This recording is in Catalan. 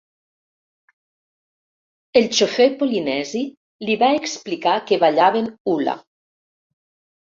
El xofer polinesi li va explicar que ballaven hula.